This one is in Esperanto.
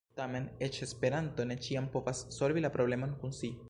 Tamen, eĉ Esperanto ne ĉiam povas solvi la problemon kun "si".